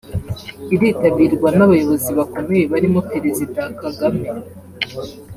iritabirwa n’abayobozi bakomeye barimo Perezida Kagame